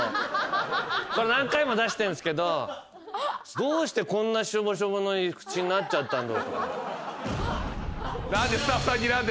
これ何回も出してんすけどどうしてこんなしょぼしょぼの口になっちゃったんだ。